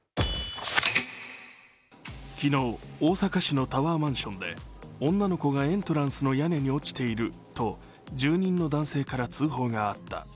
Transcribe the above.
昨日、大阪市のタワーマンションで女の子がエントランスの屋根に落ちていると住人の男性から通報があった。